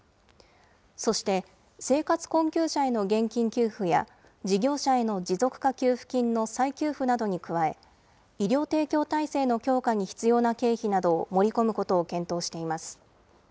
そして、生活困窮者への現金給付や事業者への持続化給付金の再給付などに加え、医療提供体制の強化に必要な経費などを盛り込むことを検討しています。